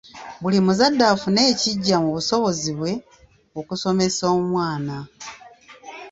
Buli muzadde afune ekigya mu busobozi bwe okusomesa omwana.